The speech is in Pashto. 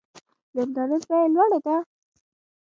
د انټرنیټ بیه لوړه ده؟